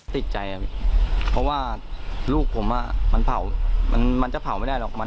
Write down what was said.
ติดใจครับเพราะว่าลูกผมมันเผามันจะเผาไม่ได้หรอก